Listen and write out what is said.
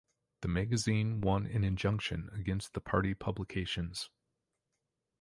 The magazine won an injunction against the party publications.